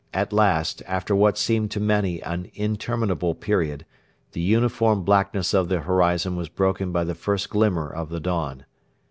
At last, after what seemed to many an interminable period, the uniform blackness of the horizon was broken by the first glimmer of the dawn.